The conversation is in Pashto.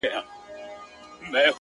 په تهمتونو کي بلا غمونو ـ